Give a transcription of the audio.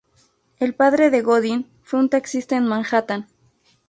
El padre de Gooding fue un taxista en Manhattan.